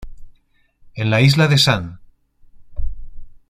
En la isla de St.